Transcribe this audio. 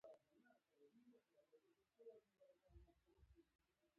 د ماشومانو مزدوري د ناسمو دودونو برخه ده.